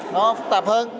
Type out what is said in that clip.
nó phức tạp hơn